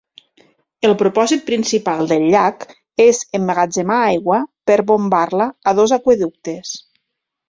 El propòsit principal del llac és emmagatzemar aigua per bombar-la a dos aqüeductes.